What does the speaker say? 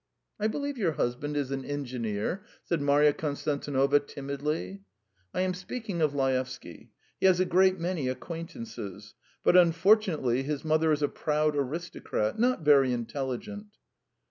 "I believe your husband is an engineer?" said Marya Konstantinovna timidly. "I am speaking of Laevsky. He has a great many acquaintances. But unfortunately his mother is a proud aristocrat, not very intelligent.